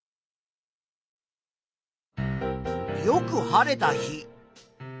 よく晴れた日。